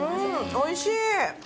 おいしい。